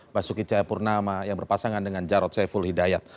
basuki cahayapurnama yang berpasangan dengan jarod saiful hidayat